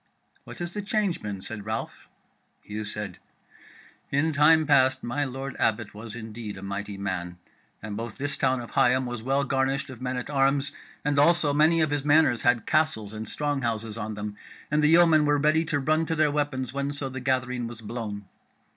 "What has the change been?" said Ralph. Hugh said: "In time past my Lord Abbot was indeed a mighty man, and both this town of Higham was well garnished of men at arms, and also many of his manors had castles and strong houses on them, and the yeomen were ready to run to their weapons whenso the gathering was blown.